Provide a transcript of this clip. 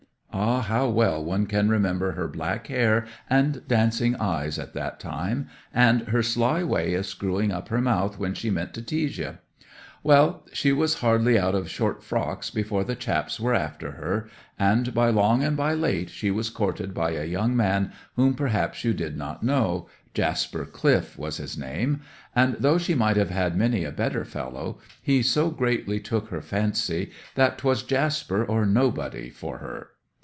Ah, how well one can remember her black hair and dancing eyes at that time, and her sly way of screwing up her mouth when she meant to tease ye! Well, she was hardly out of short frocks before the chaps were after her, and by long and by late she was courted by a young man whom perhaps you did not know—Jasper Cliff was his name—and, though she might have had many a better fellow, he so greatly took her fancy that 'twas Jasper or nobody for her.